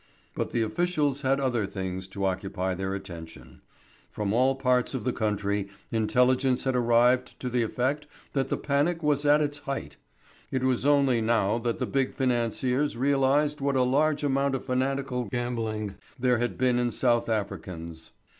But the officials had other things to occupy their attention. From all parts of the country intelligence had arrived to the effect that the panic was at its height. It was only now that the big financiers realised what a large amount of fanatical gambling there had been in South Africans.